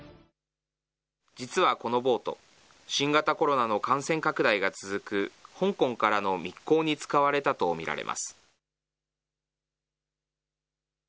実はこのボート、新型コロナの感染拡大が続く香港からの密航に使われたと見られます。